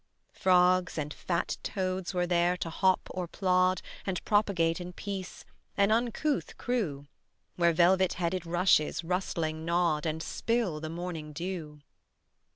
Frogs and fat toads were there to hop or plod And propagate in peace, an uncouth crew, Where velvet headed rushes rustling nod And spill the morning dew.